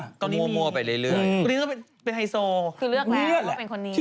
ก็โม่ไปเรื่อย